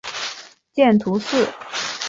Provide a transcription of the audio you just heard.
见图四。